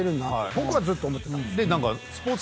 僕はずっと思ってたんです。